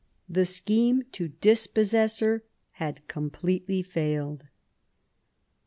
The scheme to dispossess her completely failed.